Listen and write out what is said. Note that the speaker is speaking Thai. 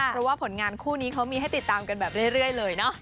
เพราะว่าผลงานคู่นี้เขามีให้ติดตามกันแบบเรื่อยเลยเนอะ